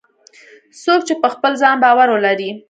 څوک چې په خپل ځان باور ولري